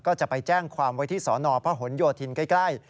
ก็จะไปแจ้งความไว้ที่สนพหนโยธินใกล้